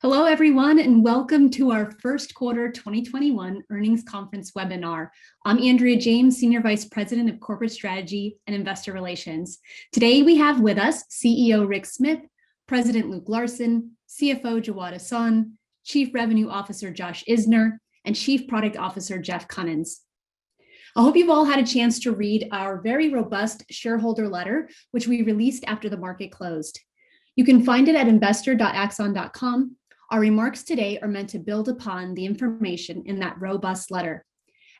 Hello, everyone, welcome to our First Quarter 2021 Earnings Conference Webinar. I'm Andrea James, Senior Vice President of Corporate Strategy and Investor Relations. Today we have with us CEO Rick Smith, President Luke Larson, CFO Jawad Ahsan, Chief Revenue Officer Josh Isner, and Chief Product Officer Jeff Kunins. I hope you've all had a chance to read our very robust shareholder letter, which we released after the market closed. You can find it at investor.axon.com. Our remarks today are meant to build upon the information in that robust letter.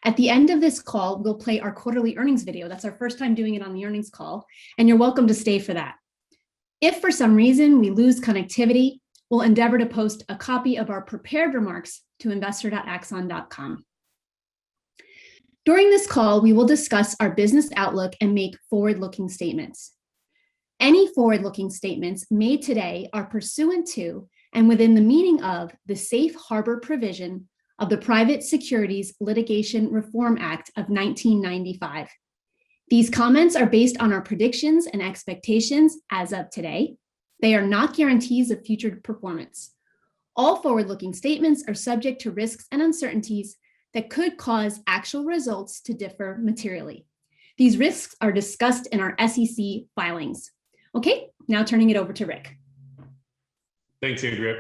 At the end of this call, we'll play our quarterly earnings video. That's our first time doing it on the earnings call, you're welcome to stay for that. If for some reason we lose connectivity, we'll endeavor to post a copy of our prepared remarks to investor.axon.com. During this call, we will discuss our business outlook and make forward-looking statements. Any forward-looking statements made today are pursuant to, and within the meaning of, the Safe Harbor provision of the Private Securities Litigation Reform Act of 1995. These comments are based on our predictions and expectations as of today. They are not guarantees of future performance. All forward-looking statements are subject to risks and uncertainties that could cause actual results to differ materially. These risks are discussed in our SEC filings. Okay, now turning it over to Rick. Thanks, Andrea.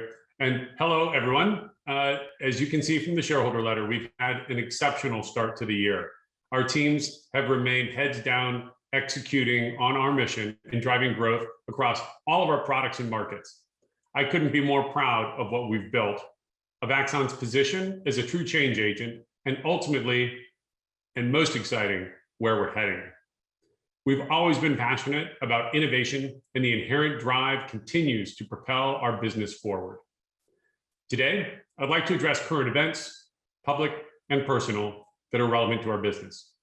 Hello, everyone. As you can see from the shareholder letter, we've had an exceptional start to the year. Our teams have remained heads down, executing on our mission and driving growth across all of our products and markets. I couldn't be more proud of what we've built, of Axon's position as a true change agent, and ultimately, and most exciting, where we're heading. We've always been passionate about innovation, and the inherent drive continues to propel our business forward. Today, I'd like to address current events, public and personal, that are relevant to our business.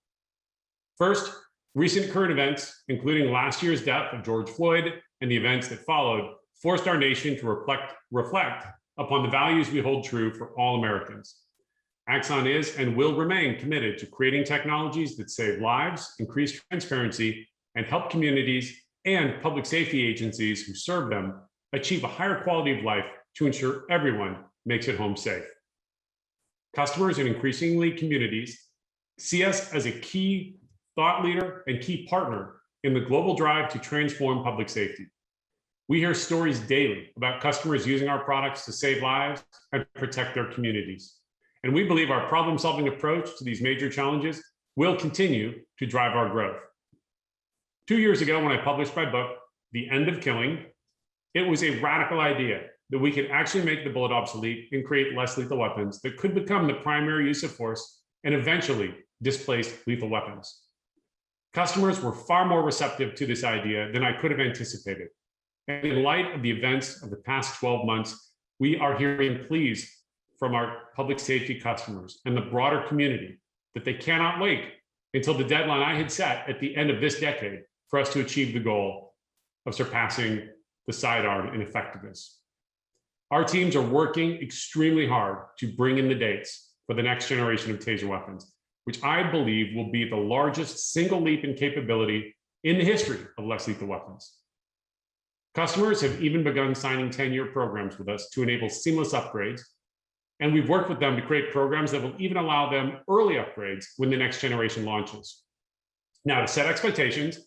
First, recent current events, including last year's death of George Floyd and the events that followed, forced our nation to reflect upon the values we hold true for all Americans. Axon is and will remain committed to creating technologies that save lives, increase transparency, and help communities and public safety agencies who serve them achieve a higher quality of life to ensure everyone makes it home safe. Customers, and increasingly communities, see us as a key thought leader and key partner in the global drive to transform public safety. We hear stories daily about customers using our products to save lives and protect their communities, and we believe our problem-solving approach to these major challenges will continue to drive our growth. Two years ago, when I published my book, "The End of Killing," it was a radical idea that we could actually make the bullet obsolete and create less lethal weapons that could become the primary use of force and eventually displace lethal weapons. Customers were far more receptive to this idea than I could have anticipated. In light of the events of the past 12 months, we are hearing pleas from our public safety customers and the broader community that they cannot wait until the deadline I had set at the end of this decade for us to achieve the goal of surpassing the sidearm in effectiveness. Our teams are working extremely hard to bring in the dates for the next generation of TASER weapons, which I believe will be the largest single leap in capability in the history of less lethal weapons. Customers have even begun signing 10-year programs with us to enable seamless upgrades, and we've worked with them to create programs that will even allow them early upgrades when the next generation launches. To set expectations,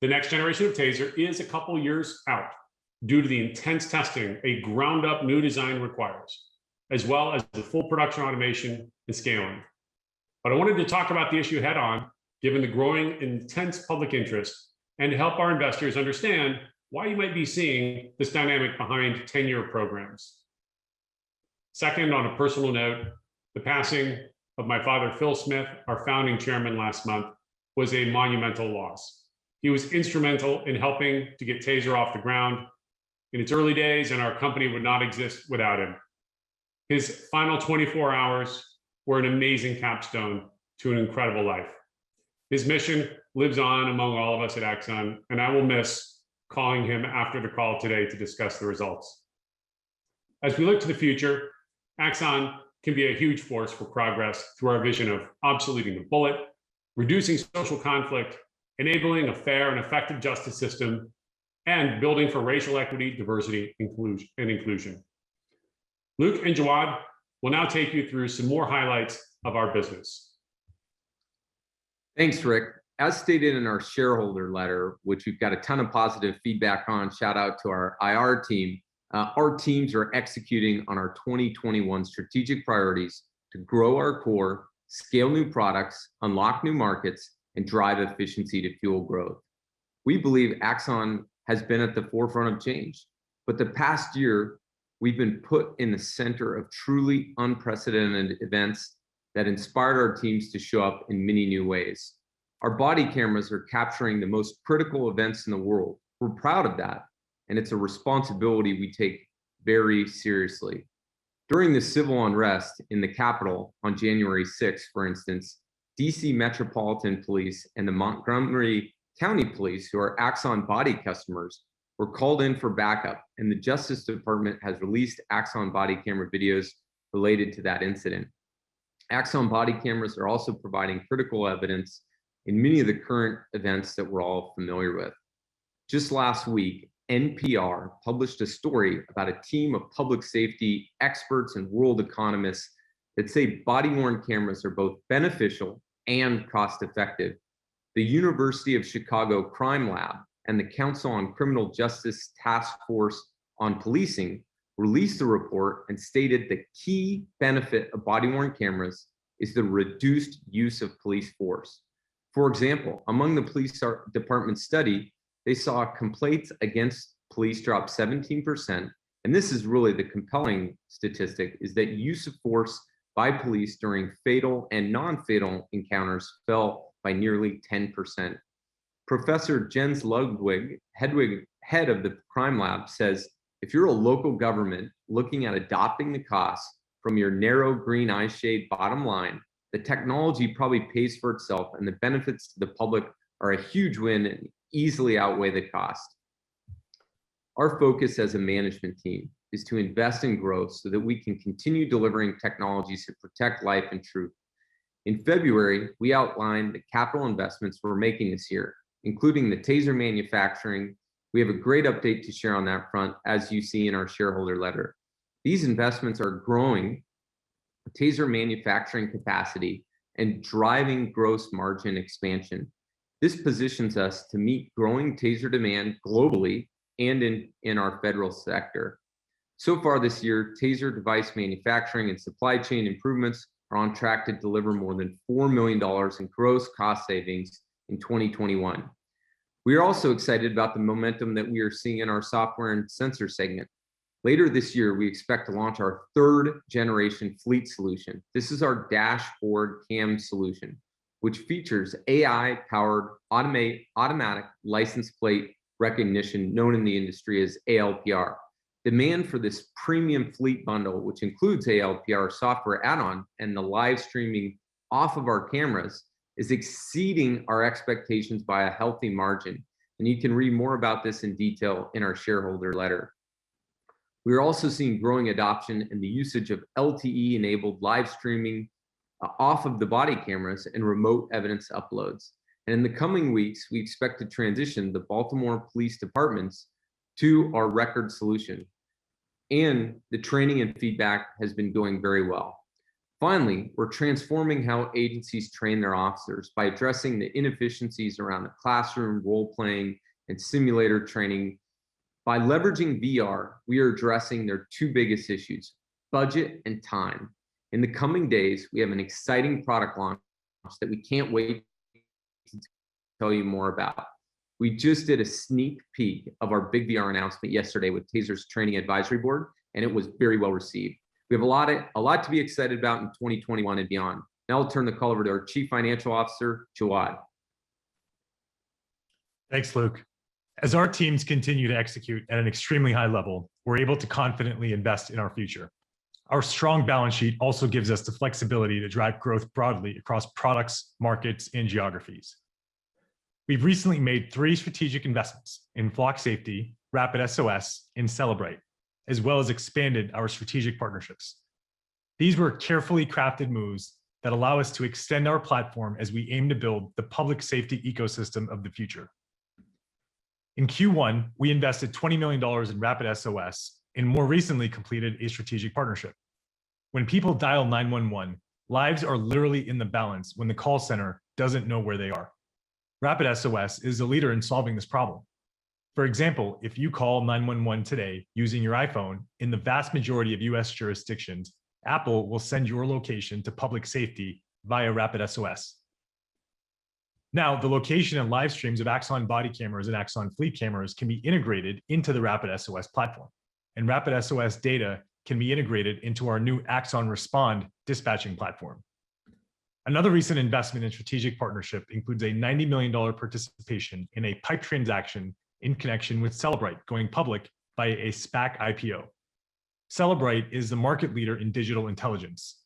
the next generation of TASER is a couple years out due to the intense testing a ground-up new design requires, as well as the full production automation and scaling. I wanted to talk about the issue head-on given the growing intense public interest and to help our investors understand why you might be seeing this dynamic behind 10-year programs. Second, on a personal note, the passing of my father, Phil Smith, our Founding Chairman, last month, was a monumental loss. He was instrumental in helping to get TASER off the ground in its early days, and our company would not exist without him. His final 24 hours were an amazing capstone to an incredible life. His mission lives on among all of us at Axon, and I will miss calling him after the call today to discuss the results. As we look to the future, Axon can be a huge force for progress through our vision of obsoleting the bullet, reducing social conflict, enabling a fair and effective justice system, and building for racial equity, diversity, and inclusion. Luke and Jawad will now take you through some more highlights of our business. Thanks, Rick. As stated in our shareholder letter, which we've got a ton of positive feedback on, shout out to our IR team, our teams are executing on our 2021 strategic priorities to grow our core, scale new products, unlock new markets, and drive efficiency to fuel growth. The past year, we've been put in the center of truly unprecedented events that inspired our teams to show up in many new ways. Our body cameras are capturing the most critical events in the world. We're proud of that, and it's a responsibility we take very seriously. During the civil unrest in the Capitol on January 6th, for instance, D.C. Metropolitan Police and the Montgomery County Police, who are Axon Body customers, were called in for backup, and the Justice Department has released Axon body camera videos related to that incident. Axon body cameras are also providing critical evidence in many of the current events that we're all familiar with. Just last week, NPR published a story about a team of public safety experts and world economists that say body-worn cameras are both beneficial and cost-effective. The University of Chicago Crime Lab and the Council on Criminal Justice Task Force on Policing released a report and stated the key benefit of body-worn cameras is the reduced use of police force. For example, among the police department study, they saw complaints against police drop 17%, and this is really the compelling statistic, is that use of force by police during fatal and non-fatal encounters fell by nearly 10%. Professor Jens Ludwig, Head of the Crime Lab, says, "If you're a local government looking at adopting the cost from your narrow green eye shade bottom line, the technology probably pays for itself and the benefits to the public are a huge win and easily outweigh the cost." Our focus as a management team is to invest in growth so that we can continue delivering technologies to protect life and truth. In February, we outlined the capital investments we're making this year, including the TASER manufacturing. We have a great update to share on that front as you see in our shareholder letter. These investments are growing TASER manufacturing capacity and driving gross margin expansion. This positions us to meet growing TASER demand globally and in our federal sector. So far this year, TASER device manufacturing and supply chain improvements are on track to deliver more than $4 million in gross cost savings in 2021. We are also excited about the momentum that we are seeing in our software and sensor segment. Later this year, we expect to launch our third-generation Fleet solution. This is our dashboard cam solution, which features AI-powered automatic license plate recognition, known in the industry as ALPR. Demand for this premium Fleet bundle, which includes ALPR software add-on and the live streaming off of our cameras, is exceeding our expectations by a healthy margin, and you can read more about this in detail in our shareholder letter. We are also seeing growing adoption in the usage of LTE-enabled live streaming off of the body cameras and remote evidence uploads. In the coming weeks, we expect to transition the Baltimore Police Department to our record solution, and the training and feedback has been going very well. Finally, we're transforming how agencies train their officers by addressing the inefficiencies around the classroom role-playing and simulator training. By leveraging VR, we are addressing their two biggest issues, budget and time. In the coming days, we have an exciting product launch that we can't wait to tell you more about. We just did a sneak peek of our big VR announcement yesterday with TASER's training advisory board, and it was very well-received. We have a lot to be excited about in 2021 and beyond. Now I'll turn the call over to our Chief Financial Officer, Jawad. Thanks, Luke. As our teams continue to execute at an extremely high level, we're able to confidently invest in our future. Our strong balance sheet also gives us the flexibility to drive growth broadly across products, markets, and geographies. We've recently made three strategic investments in Flock Safety, RapidSOS, and Cellebrite, as well as expanded our strategic partnerships. These were carefully crafted moves that allow us to extend our platform as we aim to build the public safety ecosystem of the future. In Q1, we invested $20 million in RapidSOS and more recently completed a strategic partnership. When people dial 911, lives are literally in the balance when the call center doesn't know where they are. For example, if you call 911 today using your iPhone, in the vast majority of U.S. jurisdictions, Apple will send your location to public safety via RapidSOS. The location and live streams of Axon body cameras and Axon fleet cameras can be integrated into the RapidSOS platform, and RapidSOS data can be integrated into our new Axon Respond dispatching platform. Another recent investment in strategic partnership includes a $90 million participation in a PIPE transaction in connection with Cellebrite going public by a SPAC IPO. Cellebrite is the market leader in digital intelligence.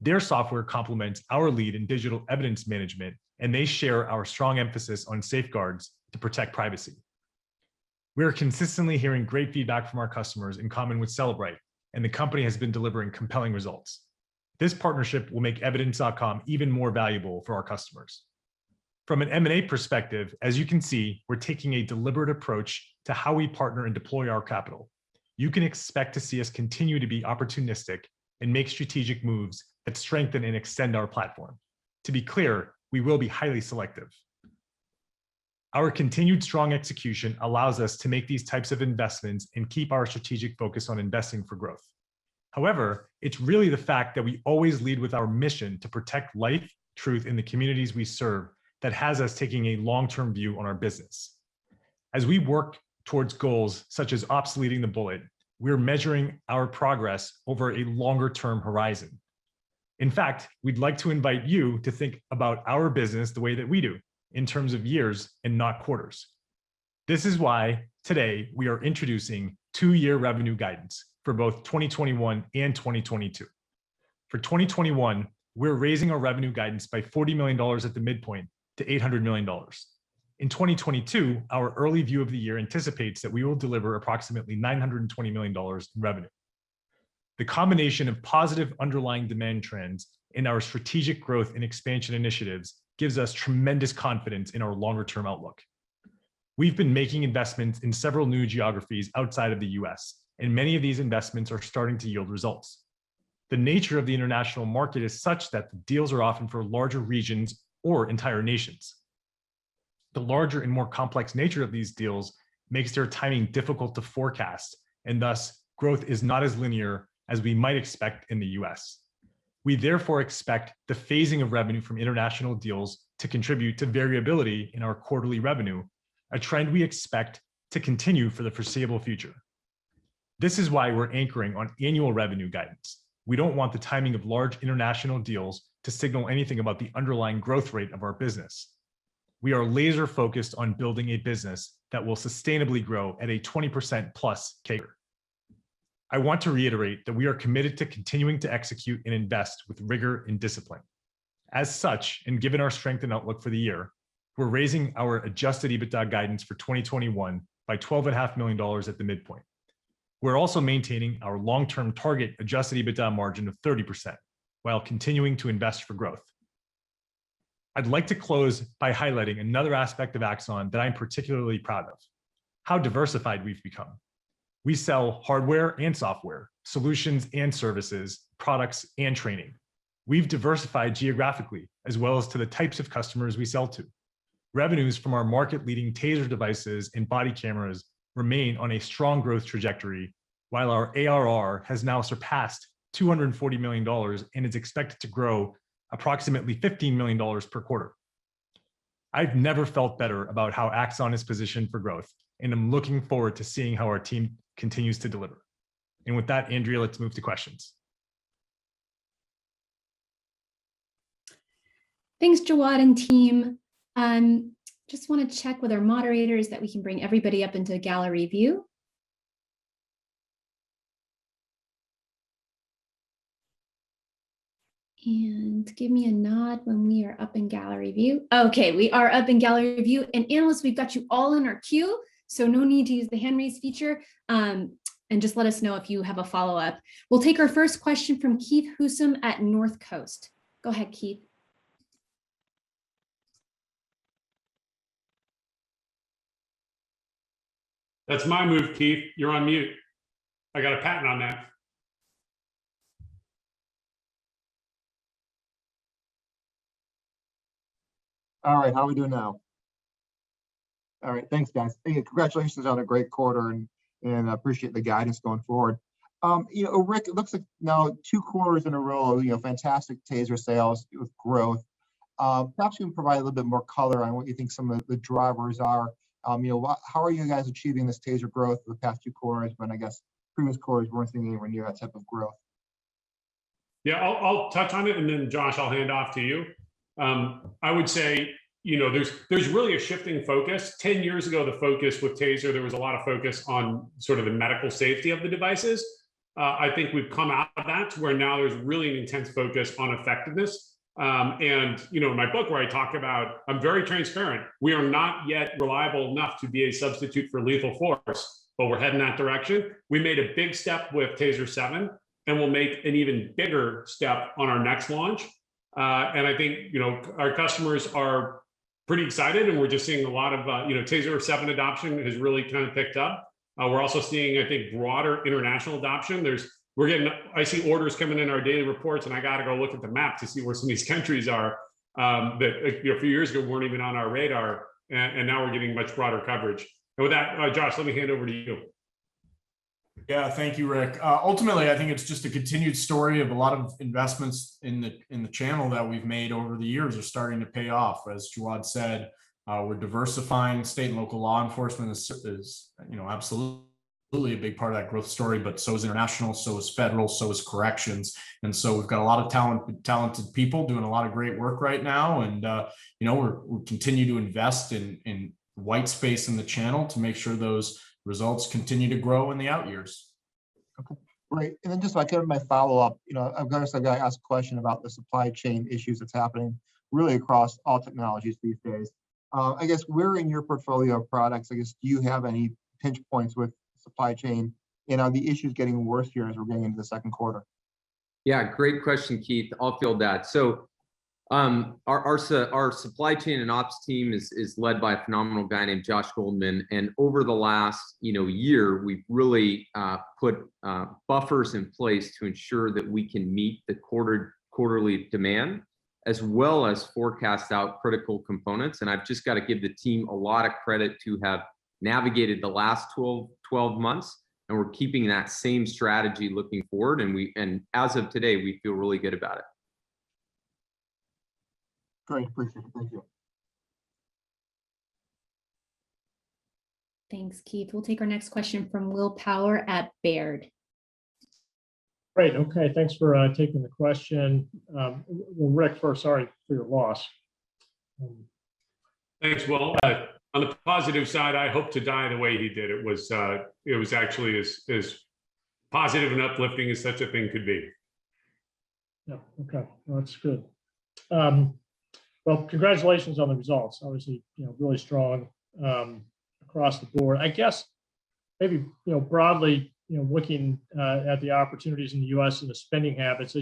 Their software complements our lead in digital evidence management, and they share our strong emphasis on safeguards to protect privacy. We are consistently hearing great feedback from our customers in common with Cellebrite, and the company has been delivering compelling results. This partnership will make Evidence.com even more valuable for our customers. From an M&A perspective, as you can see, we're taking a deliberate approach to how we partner and deploy our capital. You can expect to see us continue to be opportunistic and make strategic moves that strengthen and extend our platform. To be clear, we will be highly selective. Our continued strong execution allows us to make these types of investments and keep our strategic focus on investing for growth. It's really the fact that we always lead with our mission to protect life, truth in the communities we serve that has us taking a long-term view on our business. As we work towards goals such as obsoleting the bullet, we're measuring our progress over a longer-term horizon. We'd like to invite you to think about our business the way that we do, in terms of years and not quarters. This is why today we are introducing two-year revenue guidance for both 2021 and 2022. For 2021, we're raising our revenue guidance by $40 million at the midpoint to $800 million. In 2022, our early view of the year anticipates that we will deliver approximately $920 million in revenue. The combination of positive underlying demand trends in our strategic growth and expansion initiatives gives us tremendous confidence in our longer-term outlook. We've been making investments in several new geographies outside of the U.S., and many of these investments are starting to yield results. The nature of the international market is such that the deals are often for larger regions or entire nations. The larger and more complex nature of these deals makes their timing difficult to forecast, and thus, growth is not as linear as we might expect in the U.S. We therefore expect the phasing of revenue from international deals to contribute to variability in our quarterly revenue, a trend we expect to continue for the foreseeable future. This is why we're anchoring on annual revenue guidance. We don't want the timing of large international deals to signal anything about the underlying growth rate of our business. We are laser-focused on building a business that will sustainably grow at a 20%+ CAGR. I want to reiterate that we are committed to continuing to execute and invest with rigor and discipline. Given our strength and outlook for the year, we're raising our Adjusted EBITDA guidance for 2021 by $12.5 million at the midpoint. We're also maintaining our long-term target Adjusted EBITDA margin of 30% while continuing to invest for growth. I'd like to close by highlighting another aspect of Axon that I'm particularly proud of, how diversified we've become. We sell hardware and software, solutions and services, products and training. We've diversified geographically as well as to the types of customers we sell to. Revenues from our market-leading TASER devices and Axon body cameras remain on a strong growth trajectory, while our ARR has now surpassed $240 million and is expected to grow approximately $15 million per quarter. I've never felt better about how Axon is positioned for growth, I'm looking forward to seeing how our team continues to deliver. With that, Andrea, let's move to questions. Thanks, Jawad and team. Just want to check with our moderators that we can bring everybody up into gallery view. Give me a nod when we are up in gallery view. Okay, we are up in gallery view, and analysts, we've got you all in our queue, so no need to use the hand raise feature, and just let us know if you have a follow-up. We'll take our first question from Keith Housum at Northcoast. Go ahead, Keith. That's my move, Keith. You're on mute. I got a patent on that. All right. How we doing now? All right. Thanks, guys. Hey, congratulations on a great quarter, and I appreciate the guidance going forward. Rick, it looks like now two quarters in a row, fantastic TASER sales with growth. Perhaps you can provide a little bit more color on what you think some of the drivers are. How are you guys achieving this TASER growth for the past two quarters when, I guess, previous quarters weren't seeing anywhere near that type of growth? Yeah, I'll touch on it, and then Josh, I'll hand off to you. I would say there's really a shifting focus. 10 years ago, the focus with TASER, there was a lot of focus on sort of the medical safety of the devices. I think we've come out of that to where now there's really an intense focus on effectiveness. My book where I talk about, I'm very transparent, we are not yet reliable enough to be a substitute for lethal force, but we're heading in that direction. We made a big step with TASER 7, we'll make an even bigger step on our next launch. I think our customers are pretty excited, and we're just seeing a lot of TASER 7 adoption has really kind of picked up. We're also seeing, I think, broader international adoption. I see orders coming in our data reports, I got to go look at the map to see where some of these countries are that a few years ago weren't even on our radar, and now we're getting much broader coverage. With that, Josh, let me hand over to you. Yeah. Thank you, Rick. Ultimately, I think it's just a continued story of a lot of investments in the channel that we've made over the years are starting to pay off. As Jawad said, we're diversifying. State and local law enforcement is absolutely a big part of that growth story, but so is international, so is federal, so is corrections. We've got a lot of talented people doing a lot of great work right now, and we continue to invest in white space in the channel to make sure those results continue to grow in the out years. Okay. Great. Just kind of my follow-up, I've got to ask a question about the supply chain issues that's happening really across all technologies these days. I guess where in your portfolio of products, I guess, do you have any pinch points with supply chain? Are the issues getting worse here as we're going into the second quarter? Great question, Keith. I'll field that. Our supply chain and ops team is led by a phenomenal guy named Josh Goldman, and over the last year, we've really put buffers in place to ensure that we can meet the quarterly demand as well as forecast out critical components. I've just got to give the team a lot of credit to have navigated the last 12 months, and we're keeping that same strategy looking forward, and as of today, we feel really good about it. Great. Appreciate it. Thank you. Thanks, Keith. We'll take our next question from Will Power at Baird. Great. Okay. Thanks for taking the question. Rick, first, sorry for your loss. Thanks, Will. On the positive side, I hope to die the way he did. It was actually as positive and uplifting as such a thing could be. Yeah. Okay. No, that's good. Well, congratulations on the results. Obviously, really strong across the board. I guess maybe, broadly, looking at the opportunities in the U.S. and the spending habits,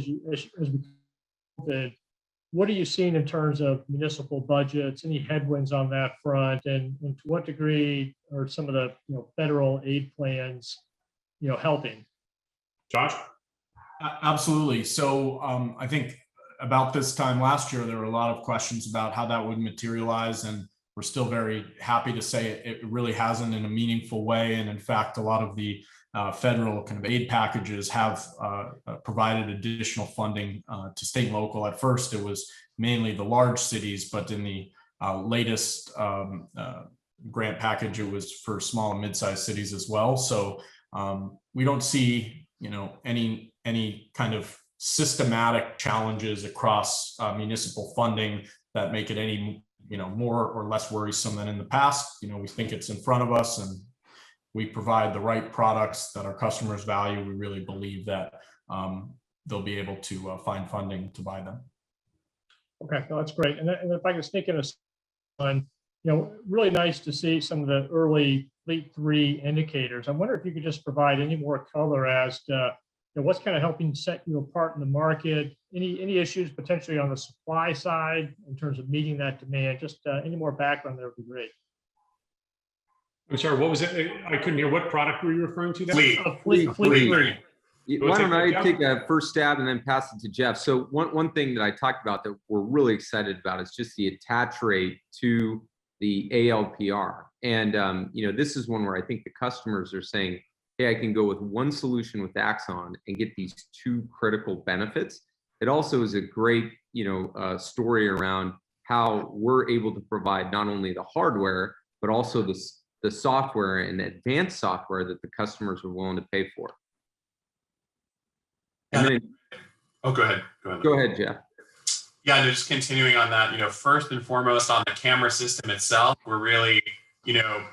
what are you seeing in terms of municipal budgets? Any headwinds on that front? To what degree are some of the federal aid plans helping? Josh? Absolutely. I think about this time last year, there were a lot of questions about how that would materialize, and we're still very happy to say it really hasn't in a meaningful way. In fact, a lot of the federal kind of aid packages have provided additional funding to state and local. At first it was mainly the large cities, but in the latest grant package, it was for small and mid-size cities as well. We don't see any kind of systematic challenges across municipal funding that make it any more or less worrisome than in the past. We think it's in front of us, and we provide the right products that our customers value. We really believe that they'll be able to find funding to buy them. Okay. No, that's great. If I could speak on this one, really nice to see some of the early Fleet 3 indicators. I wonder if you could just provide any more color as to what's kind of helping set you apart in the market. Any issues potentially on the supply side in terms of meeting that demand? Just any more background there would be great. I'm sorry, what was that? I couldn't hear. What product were you referring to? Fleet 3. Fleet. Why don't I take a first stab and then pass it to Jeff? One thing that I talked about that we're really excited about is just the attach rate to the ALPR. This is one where I think the customers are saying, "Hey, I can go with one solution with Axon and get these two critical benefits." It also is a great story around how we're able to provide not only the hardware, but also the software and the advanced software that the customers are willing to pay for. Go ahead, Jeff. Yeah, just continuing on that. First and foremost on the camera system itself, we're really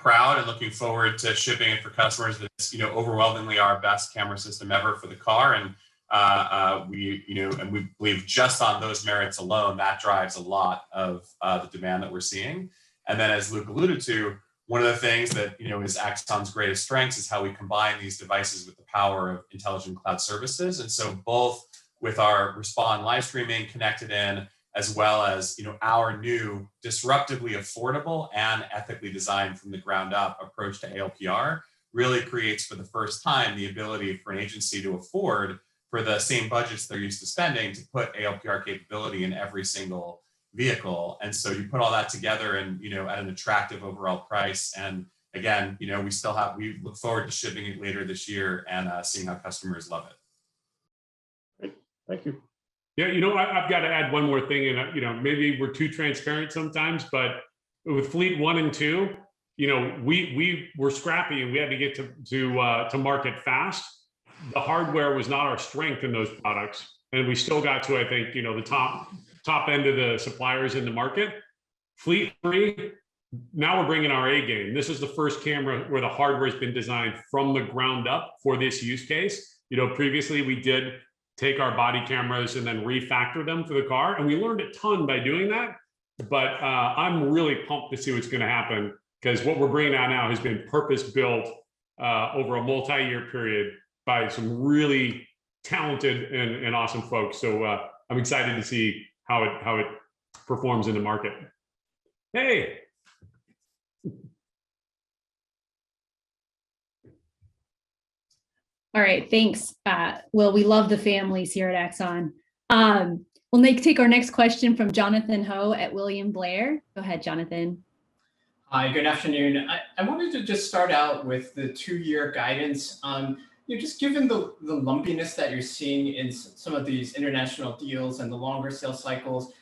proud and looking forward to shipping it for customers. This is overwhelmingly our best camera system ever for the car, we've just on those merits alone, that drives a lot of the demand that we're seeing. As Luke alluded to, one of the things that is Axon's greatest strengths is how we combine these devices with the power of intelligent cloud services. Both with our Axon Respond live streaming connected in, as well as our new disruptively affordable and ethically designed from the ground up approach to ALPR, really creates for the first time the ability for an agency to afford for the same budgets they're used to spending to put ALPR capability in every single vehicle. You put all that together and at an attractive overall price. Again, we look forward to shipping it later this year and seeing how customers love it. Great. Thank you. Yeah, I've got to add one more thing, and maybe we're too transparent sometimes, but with Fleet 1 and 2, we were scrappy and we had to get to market fast. The hardware was not our strength in those products, and we still got to, I think, the top end of the suppliers in the market. Fleet 3, now we're bringing our A game. This is the first camera where the hardware's been designed from the ground up for this use case. Previously we did take our body cameras and then refactor them for the car, and we learned a ton by doing that. I'm really pumped to see what's going to happen because what we're bringing out now has been purpose-built, over a multi-year period by some really talented and awesome folks. I'm excited to see how it performs in the market. Hey. All right, thanks. Well, we love the family here at Axon. We'll now take our next question from Jonathan Ho at William Blair. Go ahead, Jonathan. Hi, good afternoon. I wanted to just start out with the two-year guidance on, just given the lumpiness that you're seeing in some of these international deals and the longer sales cycles,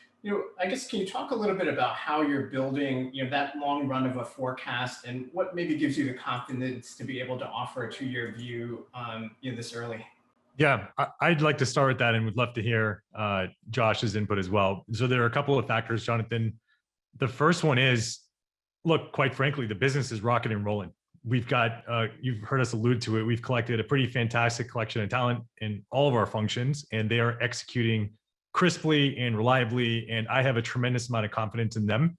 I guess, can you talk a little bit about how you're building that long run of a forecast and what maybe gives you the confidence to be able to offer a two-year view this early? Yeah. I'd like to start with that, and we'd love to hear Josh's input as well. There are a couple of factors, Jonathan. The first one is, look, quite frankly, the business is rocking and rolling. You've heard us allude to it, we've collected a pretty fantastic collection of talent in all of our functions, and they are executing crisply and reliably, and I have a tremendous amount of confidence in them.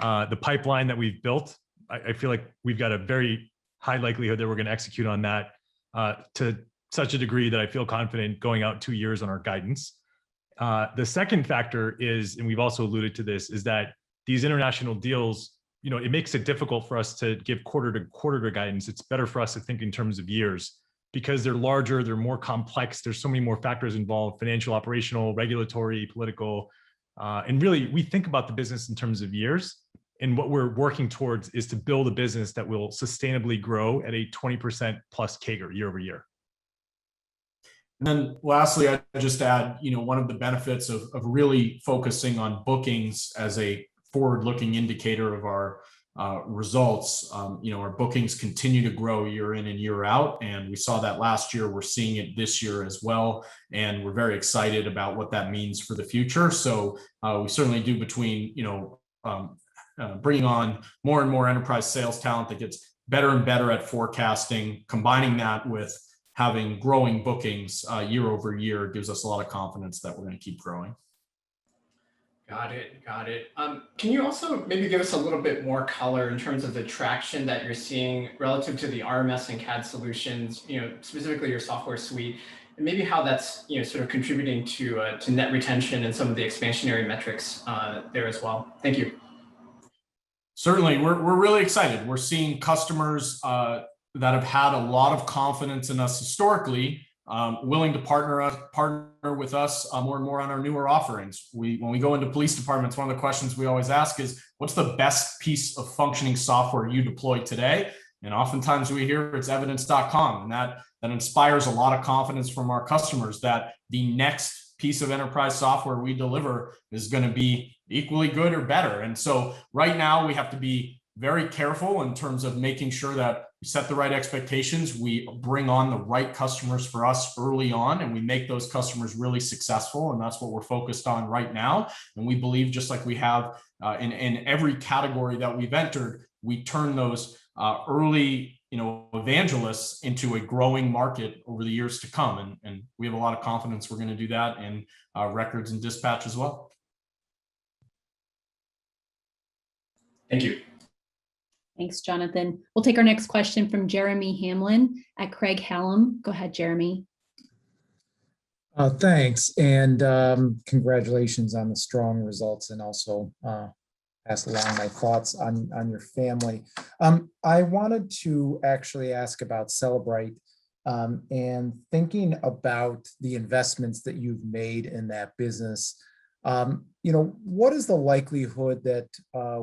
The pipeline that we've built, I feel like we've got a very high likelihood that we're going to execute on that, to such a degree that I feel confident going out two years on our guidance. The second factor is, and we've also alluded to this, is that these international deals, it makes it difficult for us to give quarter-to-quarter guidance. It's better for us to think in terms of years because they're larger, they're more complex, there's so many more factors involved, financial, operational, regulatory, political. Really we think about the business in terms of years, and what we're working towards is to build a business that will sustainably grow at a 20% plus CAGR year-over-year. Lastly, I'd just add, one of the benefits of really focusing on bookings as a forward-looking indicator of our results, our bookings continue to grow year in and year out. We saw that last year, we're seeing it this year as well, and we're very excited about what that means for the future. Bringing on more and more enterprise sales talent that gets better and better at forecasting, combining that with having growing bookings year-over-year gives us a lot of confidence that we're going to keep growing. Got it. Can you also maybe give us a little bit more color in terms of the traction that you're seeing relative to the RMS and CAD solutions, specifically your software suite, and maybe how that's sort of contributing to net retention and some of the expansionary metrics there as well? Thank you. Certainly. We're really excited. We're seeing customers that have had a lot of confidence in us historically willing to partner with us more and more on our newer offerings. When we go into police departments, one of the questions we always ask is: What's the best piece of functioning software you deploy today? Oftentimes we hear it's Evidence.com, and that inspires a lot of confidence from our customers that the next piece of enterprise software we deliver is going to be equally good or better. Right now, we have to be very careful in terms of making sure that we set the right expectations, we bring on the right customers for us early on, and we make those customers really successful, and that's what we're focused on right now. We believe, just like we have in every category that we've entered, we turn those early evangelists into a growing market over the years to come. We have a lot of confidence we're going to do that in records and dispatch as well. Thank you. Thanks, Jonathan. We'll take our next question from Jeremy Hamblin at Craig-Hallum. Go ahead, Jeremy. Thanks, congratulations on the strong results, and also pass along my thoughts on your family. I wanted to actually ask about Cellebrite, and thinking about the investments that you've made in that business. What is the likelihood that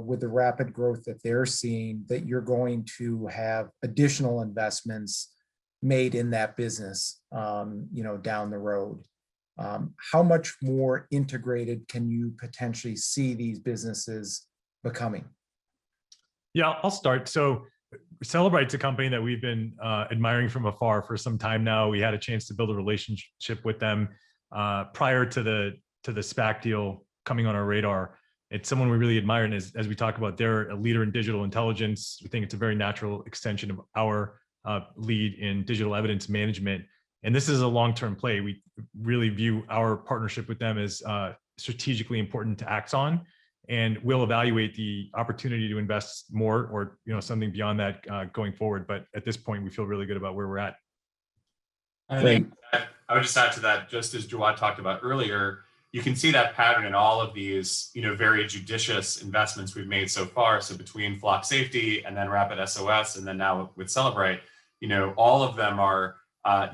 with the rapid growth that they're seeing, that you're going to have additional investments made in that business down the road? How much more integrated can you potentially see these businesses becoming? Yeah, I'll start. Cellebrite's a company that we've been admiring from afar for some time now. We had a chance to build a relationship with them prior to the SPAC deal coming on our radar. It's someone we really admire, and as we talk about, they're a leader in digital intelligence. We think it's a very natural extension of our lead in digital evidence management, and this is a long-term play. We really view our partnership with them as strategically important to Axon, and we'll evaluate the opportunity to invest more or something beyond that going forward. At this point, we feel really good about where we're at. Thanks. I would just add to that, just as Jawad talked about earlier, you can see that pattern in all of these very judicious investments we've made so far. Between Flock Safety and then RapidSOS, and then now with Cellebrite, all of them are,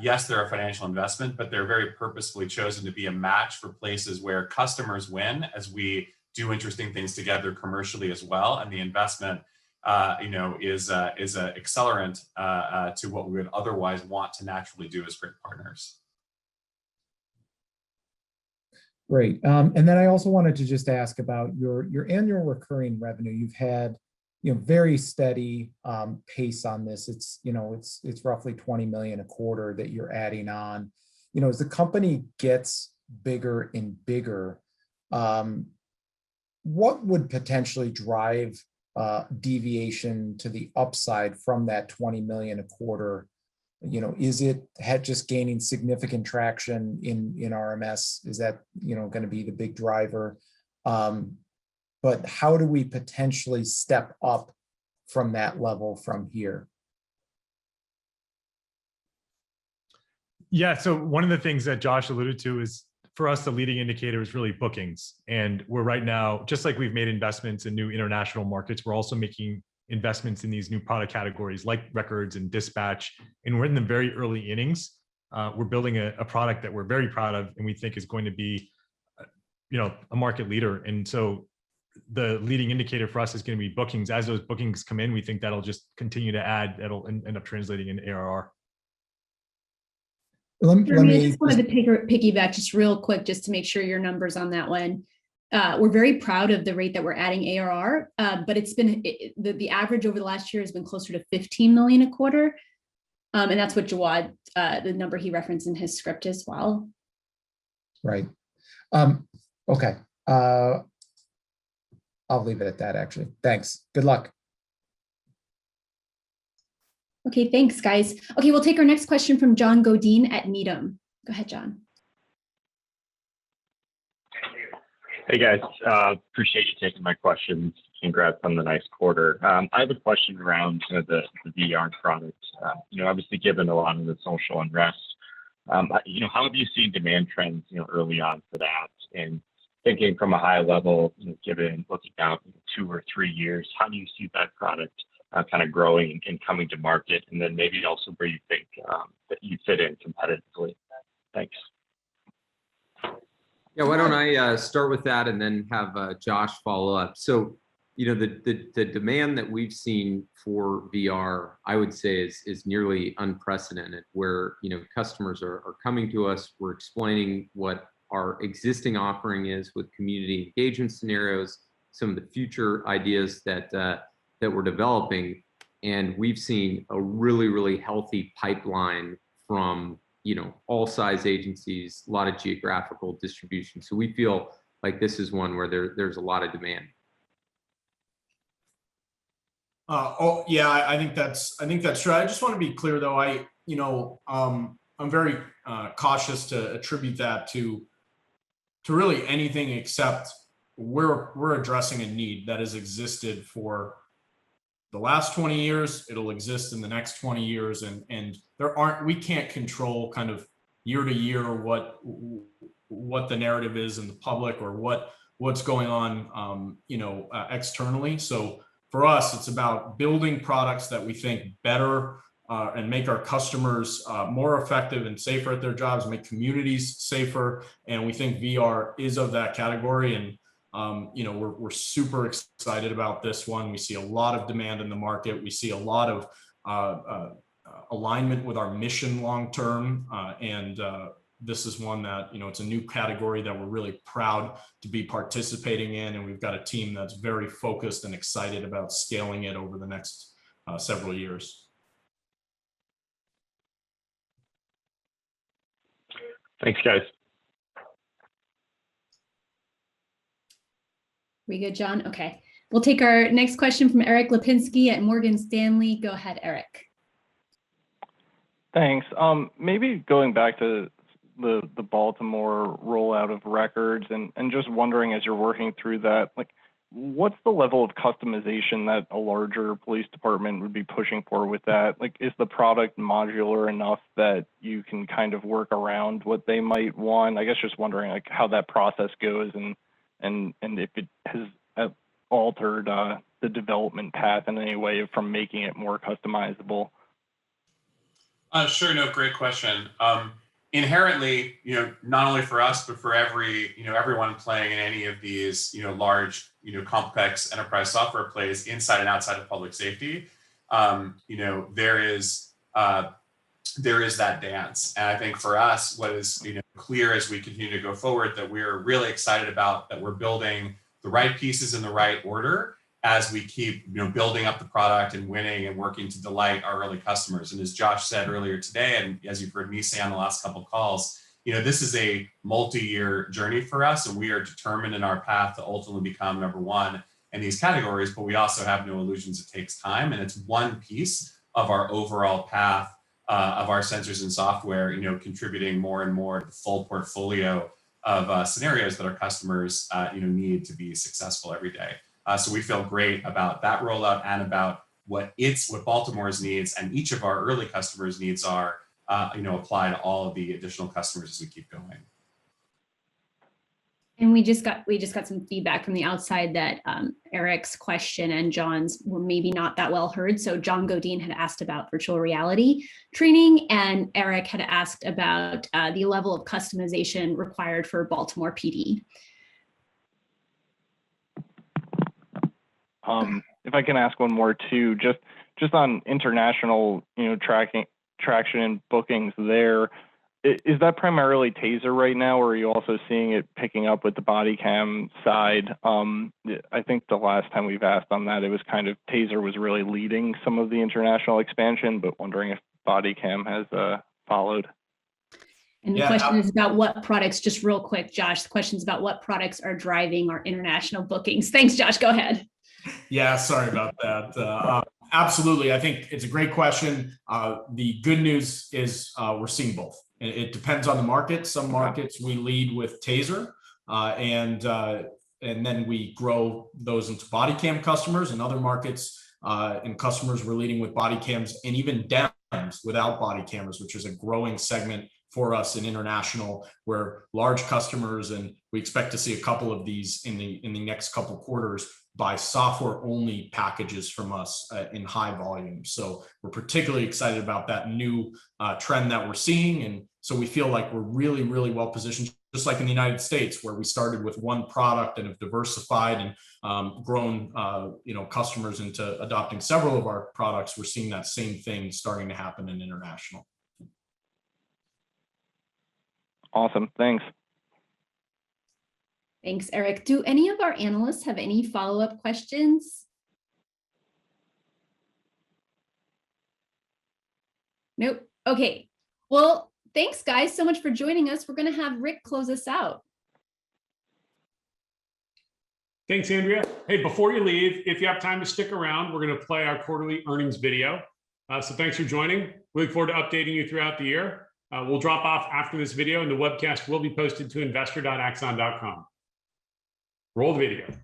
yes, they're a financial investment, but they're very purposefully chosen to be a match for places where customers win as we do interesting things together commercially as well, and the investment is an accelerant to what we would otherwise want to naturally do as great partners. Great. I also wanted to just ask about your annual recurring revenue. You've had very steady pace on this. It's roughly $20 million a quarter that you're adding on. As the company gets bigger and bigger, what would potentially drive deviation to the upside from that $20 million a quarter? Is it just gaining significant traction in RMS? Is that going to be the big driver? How do we potentially step up from that level from here? One of the things that Josh alluded to is for us, the leading indicator is really bookings, and we're right now, just like we've made investments in new international markets, we're also making investments in these new product categories like records and dispatch, and we're in the very early innings. We're building a product that we're very proud of and we think is going to be a market leader. The leading indicator for us is going to be bookings. As those bookings come in, we think that'll end up translating into ARR. Let me- Jeremy, I just wanted to piggyback just real quick, just to make sure your number's on that one. We're very proud of the rate that we're adding ARR. The average over the last year has been closer to $15 million a quarter, and that's what Jawad, the number he referenced in his script as well. Right. Okay. I'll leave it at that, actually. Thanks. Good luck. Okay, thanks guys. Okay, we'll take our next question from John Godin at Needham. Go ahead, John. Hey guys. Appreciate you taking my questions. Congrats on the nice quarter. I have a question around the VR product. Obviously given a lot of the social unrest, how have you seen demand trends early on for that? Thinking from a high level, looking out two or three years, how do you see that product kind of growing and coming to market? Then maybe also where you think that you fit in competitively. Thanks. Why don't I start with that and then have Josh follow up. The demand that we've seen for VR, I would say, is nearly unprecedented, where customers are coming to us, we're explaining what our existing offering is with community engagement scenarios, some of the future ideas that we're developing. We've seen a really healthy pipeline from all size agencies, lot of geographical distribution. We feel like this is one where there's a lot of demand. Oh, yeah. I think that's true. I just want to be clear though, I'm very cautious to attribute that to really anything except we're addressing a need that has existed for the last 20 years, it'll exist in the next 20 years, and we can't control kind of year to year what the narrative is in the public or what's going on externally. For us, it's about building products that we think better and make our customers more effective and safer at their jobs, make communities safer, and we think VR is of that category. We're super excited about this one. We see a lot of demand in the market. We see a lot of alignment with our mission long-term. This is one that it's a new category that we're really proud to be participating in, and we've got a team that's very focused and excited about scaling it over the next several years. Thanks, guys. We good, John? Okay. We'll take our next question from Erik Lapinski at Morgan Stanley. Go ahead, Erik. Thanks. Maybe going back to the Baltimore rollout of records and just wondering as you're working through that, what's the level of customization that a larger police department would be pushing for with that? Is the product modular enough that you can kind of work around what they might want? I guess just wondering how that process goes and if it has altered the development path in any way from making it more customizable. Sure. No, great question. Inherently, not only for us but for everyone playing in any of these large, complex enterprise software plays inside and outside of public safety, there is that dance. I think for us, what is clear as we continue to go forward, that we are really excited about, that we're building the right pieces in the right order as we keep building up the product and winning and working to delight our early customers. As Josh said earlier today, and as you've heard me say on the last couple calls, this is a multi-year journey for us, and we are determined in our path to ultimately become number one in these categories, but we also have no illusions. It takes time, and it's one piece of our overall path of our sensors and software contributing more and more to the full portfolio of scenarios that our customers need to be successful every day. We feel great about that rollout and about what Baltimore's needs and each of our early customers' needs are, apply to all of the additional customers as we keep going. We just got some feedback from the outside that Erik's question and John's were maybe not that well heard. John Godin had asked about virtual reality training, and Erik had asked about the level of customization required for Baltimore PD. If I can ask one more, too, just on international traction and bookings there, is that primarily TASER right now, or are you also seeing it picking up with the body cam side? I think the last time we've asked on that, it was kind of TASER was really leading some of the international expansion, but wondering if body cam has followed. The question is about what products, just real quick, Josh, the question is about what products are driving our international bookings. Thanks, Josh. Go ahead. Yeah, sorry about that. Absolutely. I think it's a great question. The good news is we're seeing both. It depends on the market. Some markets we lead with TASER, and then we grow those into body cam customers. In other markets, in customers, we're leading with body cams, and even without body cameras, which is a growing segment for us in international, where large customers, and we expect to see a couple of these in the next couple quarters, buy software-only packages from us in high volume. We're particularly excited about that new trend that we're seeing, and so we feel like we're really well-positioned. Just like in the United States, where we started with one product and have diversified and grown customers into adopting several of our products, we're seeing that same thing starting to happen in international. Awesome. Thanks. Thanks, Erik. Do any of our analysts have any follow-up questions? Nope. Okay. Well, thanks guys so much for joining us. We're going to have Rick close us out. Thanks, Andrea. Hey, before you leave, if you have time to stick around, we're going to play our quarterly earnings video. Thanks for joining. Look forward to updating you throughout the year. We'll drop off after this video, and the webcast will be posted to investor.axon.com. Roll the video.